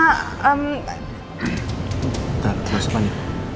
bentar gue masuk aja